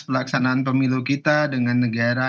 pekerjaan memang sangat gila